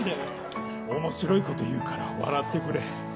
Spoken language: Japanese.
面白いこと言うから笑ってくれ。